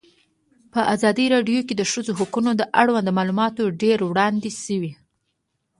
په ازادي راډیو کې د د ښځو حقونه اړوند معلومات ډېر وړاندې شوي.